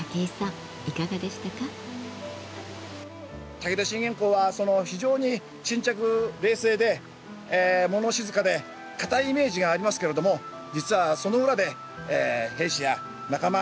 武田信玄公は非常に沈着冷静で物静かで堅いイメージがありますけれども実はその裏で兵士や仲間